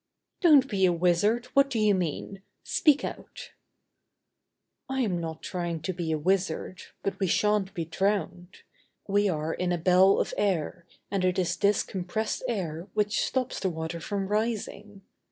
"Don't be a wizard, what do you mean? Speak out." "I am not trying to be a wizard, but we shan't be drowned. We are in a bell of air, and it is this compressed air which stops the water from rising.